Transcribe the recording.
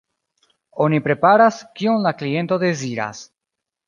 Oni preparas, kion la kliento deziras.